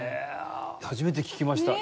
初めて聞きました。